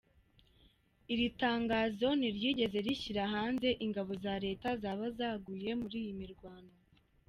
Iri tangazo ntiryigeze rishyira hanze ingabo za leta zaba zaguye muri iyi mirwano.